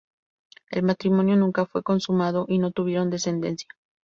El matrimonio nunca fue consumado y no tuvieron descendencia.